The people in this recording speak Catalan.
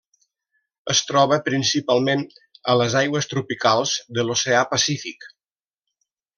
Es troba principalment a les aigües tropicals de l'Oceà Pacífic.